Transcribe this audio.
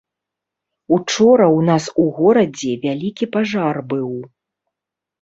Учора ў нас у горадзе вялікі пажар быў.